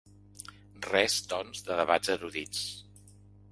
Res, doncs, de debats erudits.